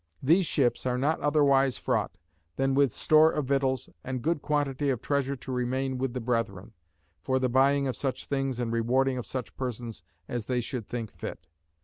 These ships are not otherwise fraught, than with store of victuals, and good quantity of treasure to remain with the brethren, for the buying of such things and rewarding of such persons as they should think fit.